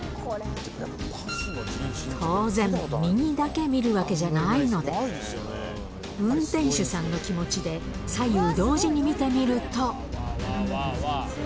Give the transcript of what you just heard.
当然、右だけ見るわけじゃないので、運転手さんの気持ちで、左右同時に見てみると。